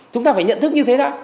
chúng ta phải nhận thức như thế đó